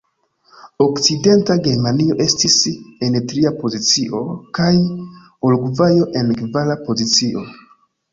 Okcidenta Germanio estis en tria pozicio, kaj Urugvajo en kvara pozicio.